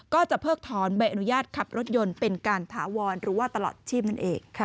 เพิกถอนใบอนุญาตขับรถยนต์เป็นการถาวรหรือว่าตลอดชีพนั่นเอง